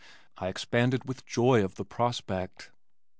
I expanded with joy of the prospect.